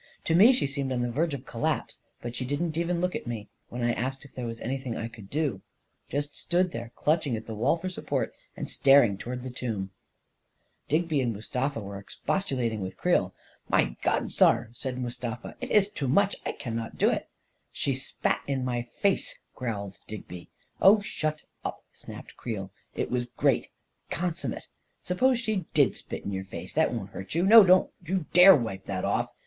To me she seemed on the verge of collapse — but she didn't even look at me when I asked her if there was any thing I could do — just stood there, clutching at the wall for support, and staring toward the tomb ... Digby and Mustafa were expostulating with Creel. " My God, saar," said Mustafa, " it iss too much — I can not do it !" 14 She spat in my face !" growled Digby. " Oh, shut up !" snapped Creel. " It was great — consummate ! Suppose she did spit in your face? That won't hurt you ! No — don't you dare wipe it off!"